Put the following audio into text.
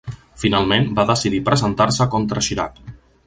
Finalment va decidir presentar-se contra Chirac.